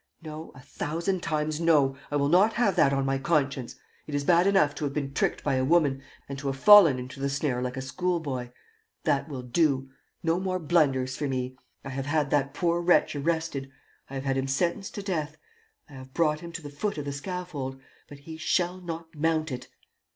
No, a thousand times no, I will not have that on my conscience! It is bad enough to have been tricked by a woman and to have fallen into the snare like a schoolboy. ... That will do! No more blunders for me! I have had that poor wretch arrested. ... I have had him sentenced to death. ... I have brought him to the foot of the scaffold ... but he shall not mount it!